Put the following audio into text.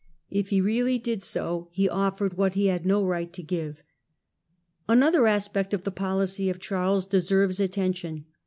If he really did so, he offered vhat he had no right to give. Another aspect of the policy of Charles deserves ttention.